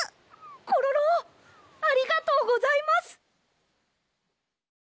コロロありがとうございます。